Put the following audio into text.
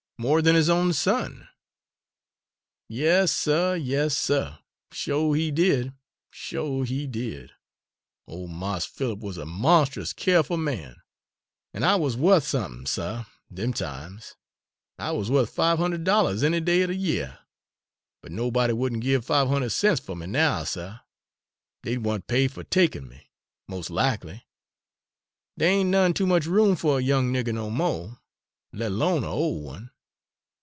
more than his own son!" "Yas, suh, yas, suh! sho' he did, sho' he did! old Marse Philip wuz a monstus keerful man, an' I wuz winth somethin', suh, dem times; I wuz wuth five hundred dollahs any day in de yeah. But nobody would n' give five hundred cents fer me now, suh. Dey'd want pay fer takin' me, mos' lakly. Dey ain' none too much room fer a young nigger no mo', let 'lone a' ol' one."